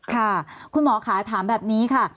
ค่ะคุณหมอค่ะถามแบบนี้ค่ะ